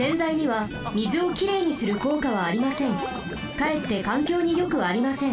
かえってかんきょうによくありません。